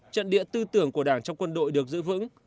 trận địa tư tưởng của đảng trong quân đội được giữ vững